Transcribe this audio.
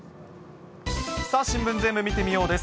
さあ、新聞ぜーんぶ見てみよう！です。